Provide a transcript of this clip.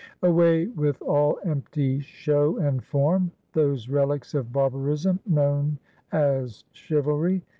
Away with all empty show and form, those relics of barbarism known as chivalry!